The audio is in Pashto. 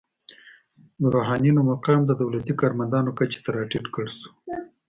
د روحانینو مقام د دولتي کارمندانو کچې ته راټیټ کړل شو.